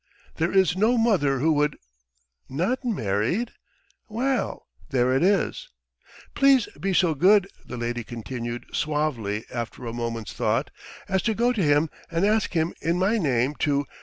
There is no mother who would. ... Not married? Well ... there it is. ... Please be so good," the lady continued suavely after a moment's thought, "as to go to him and ask him in my name to